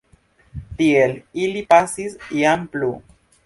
Tiel ili pasis jam plu.